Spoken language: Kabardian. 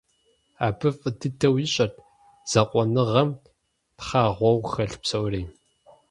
Абы фӀы дыдэу ищӀэрт закъуэныгъэм «тхъэгъуэу» хэлъ псори.